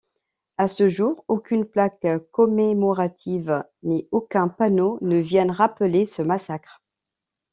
À ce jour, aucune plaque commémorative ni aucun panneau ne viennent rappeler ce massacre.